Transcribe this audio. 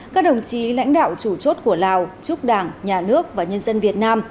các đồng chí lãnh đạo chủ chốt của lào chúc đảng nhà nước và nhân dân việt nam